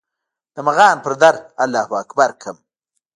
د مغان پر در الله اکبر کړم